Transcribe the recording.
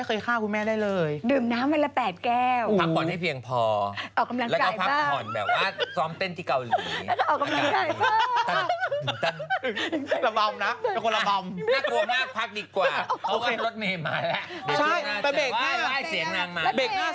เด็กตัวหน้าเจ็บว่าให้เสียงนางมาแล้วเจ๊ใช่แต่เบรกหน้าเจ็บมาก